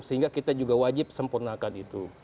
sehingga kita juga wajib sempurnakan itu